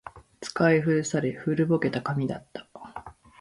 使い古され、古ぼけた紙だった